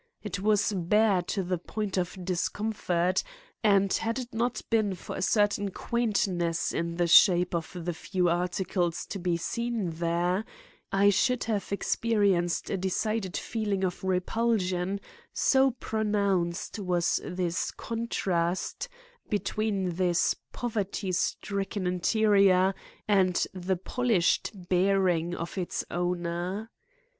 It was bare to the point of discomfort, and had it not been for a certain quaintness in the shape of the few articles to be seen there, I should have experienced a decided feeling of repulsion, so pronounced was the contrast between this poverty stricken interior and the polished bearing of its owner.